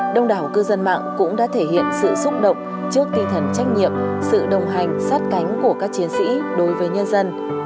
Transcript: đông đảo cư dân mạng cũng đã thể hiện sự xúc động trước tinh thần trách nhiệm sự đồng hành sát cánh của các chiến sĩ đối với nhân dân